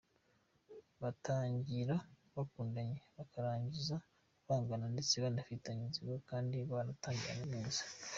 Batangira bakundanye bakarangiza bangana ndetse banafitanye inzigo kandi baratangiranye neza.